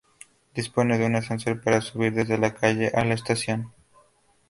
Dispone de un ascensor para subir desde la calle a la estación.